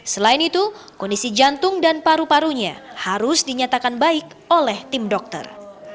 selain itu kondisi jantung dan paru parunya harus dinyatakan baik oleh tim dokter